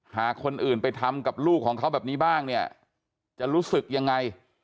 หากคนอื่นไปทำกับลูกของเขาแบบนี้บ้างเนี่ยจะรู้สึกยังไง